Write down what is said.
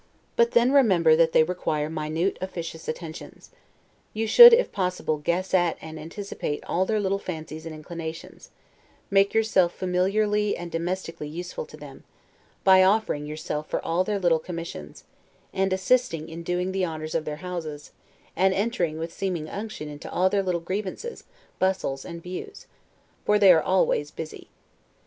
But then, remember that they require minute officious attentions. You should, if possible, guess at and anticipate all their little fancies and inclinations; make yourself familiarly and domestically useful to them, by offering yourself for all their little commissions, and assisting in doing the honors of their houses, and entering with seeming unction into all their little grievances, bustles, and views; for they are always busy.